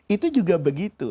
itu juga begitu